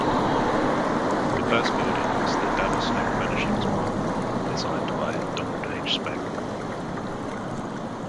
The first building was the Dallas Homefurnishings Mart, designed by Donald H. Speck.